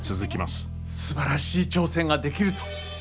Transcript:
すばらしい挑戦ができると。